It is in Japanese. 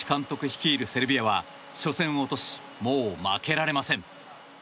率いるセルビアは初戦を落としもう負けられません。